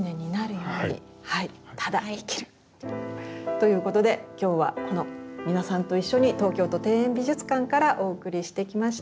ということで今日はこの皆さんと一緒に東京都庭園美術館からお送りしてきました。